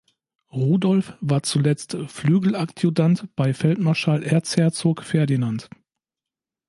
Rudolf war zuletzt Flügeladjutant bei Feldmarschall Erzherzog Ferdinand.